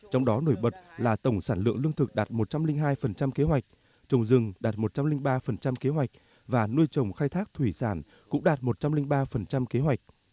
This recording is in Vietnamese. trong đó nổi bật là tổng sản lượng lương thực đạt một trăm linh hai kế hoạch trồng rừng đạt một trăm linh ba kế hoạch và nuôi trồng khai thác thủy sản cũng đạt một trăm linh ba kế hoạch